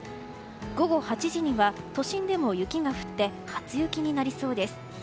午後８時には都心でも雪が降って初雪になりそうです。